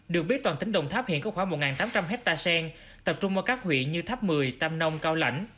được biết toàn tỉnh đồng tháp hiện có khoảng một tám trăm linh hectare sen tập trung ở các huyện như tháp mười tam nông cao lãnh